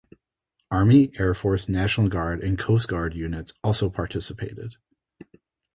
Army, Air Force, National Guard and Coast Guard units also participated.